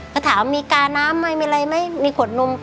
ก็ถามมีกาน้ำไหมมีอะไรไหมมีขวดนม